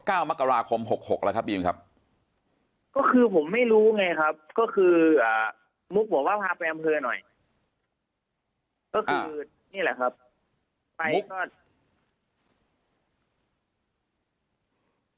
ก้าวมากราคมหกละครับบีมครับก็คือผมไม่รู้ไงครับก็คือมุ๊กบอกว่าพาไปอำเภอหน่อย